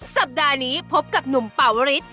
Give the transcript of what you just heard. สัปดาห์นี้พบกับหนุ่มป่าวริส